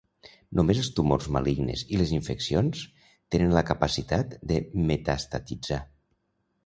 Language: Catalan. Només els tumors malignes i les infeccions tenen la capacitat de metastatitzar.